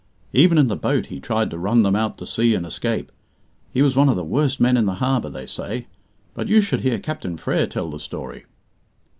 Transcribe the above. Even in the boat he tried to run them out to sea and escape. He was one of the worst men in the Harbour, they say; but you should hear Captain Frere tell the story."